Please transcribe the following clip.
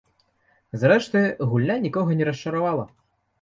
Зрэшты, гульня нікога не расчаравала.